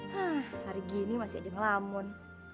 hah hari gini masih aja ngelamun